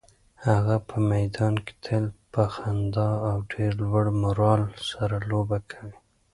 هغه په میدان کې تل په خندا او ډېر لوړ مورال سره لوبه کوي.